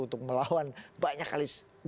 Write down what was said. untuk melawan banyak sekali serangan